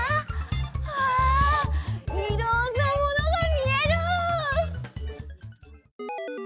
うわいろんなものがみえる！